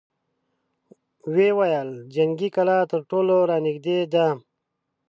ويې ويل: جنګي کلا تر ټولو را نېږدې ده!